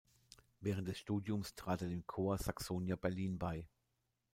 Während des Studiums trat er dem Corps Saxonia-Berlin bei.